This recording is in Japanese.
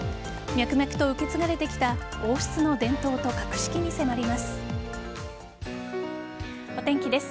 脈々と受け継がれてきた王室の伝統と格式に迫ります。